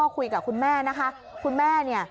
คุยกับคุณแม่นะคะคุณแม่เนี่ย